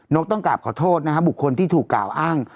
กต้องกราบขอโทษนะครับบุคคลที่ถูกกล่าวอ้าง